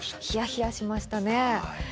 冷や冷やしましたね。